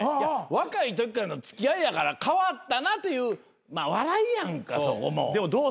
若いときからの付き合いやから変わったなというまあ笑いやんかそこも。